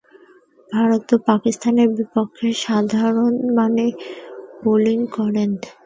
ভারত ও পাকিস্তানের বিপক্ষে সাধারণমানের বোলিং করেন।